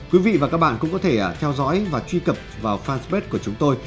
quý vị và các bạn cũng có thể theo dõi và truy cập vào fanpage của chúng tôi